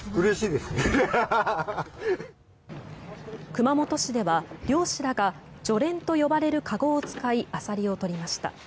熊本市では漁師らが鋤簾と呼ばれる籠を使いアサリを取りました。